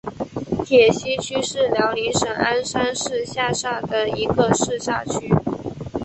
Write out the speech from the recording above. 铁西区是辽宁省鞍山市下辖的一个市辖区。